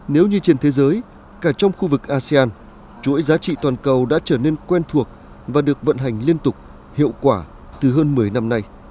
nếu như trên thế giới cả trong khu vực asean chuỗi giá trị toàn cầu đã trở nên quen thuộc và được vận hành liên tục hiệu quả từ hơn một mươi năm nay